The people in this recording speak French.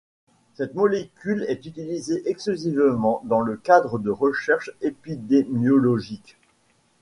Cette molécule est utilisée exclusivement dans le cadre de recherches épidémiologiques.